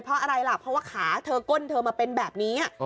เพราะอะไรล่ะเพราะว่าขาเธอก้นเธอมาเป็นแบบนี้